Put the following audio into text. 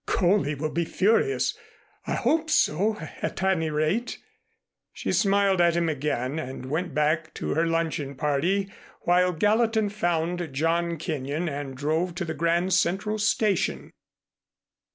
Coley will be furious. I hope so, at any rate." She smiled at him again and went back to her luncheon party while Gallatin found John Kenyon and drove to the Grand Central station.